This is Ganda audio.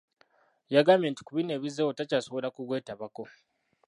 Yagambye nti ku bino ebizzeewo takyasobola kugwetabako.